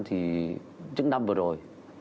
thì những năm vừa rồi